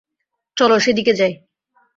চল, সেদিকে যাই।